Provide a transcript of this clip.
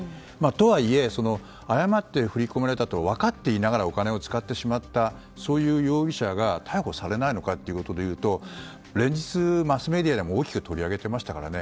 とはいえ、誤って振り込まれたと分かっていながらお金を使ってしまったそういう容疑者が逮捕されないのかということでいうと連日、マスメディアでも大きく取り上げていましたからね。